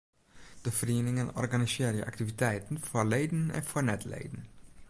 De ferieningen organisearje aktiviteiten foar leden en foar net-leden.